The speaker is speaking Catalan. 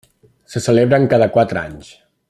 Se celebren cada quatre anys.